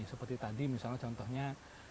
seperti tadi misalnya contohnya